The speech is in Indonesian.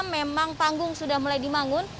memang panggung sudah mulai dimangun